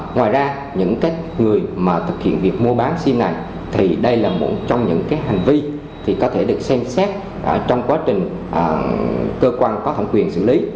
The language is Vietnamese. ngoài ra những người mà thực hiện việc mua bán sim này thì đây là một trong những hành vi có thể được xem xét trong quá trình cơ quan có thẩm quyền xử lý